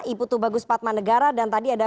ibu tuh bagus padma negara dan tadi ada